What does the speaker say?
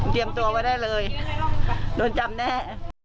เตรียมตัวไว้ได้เลยโดนจำแน่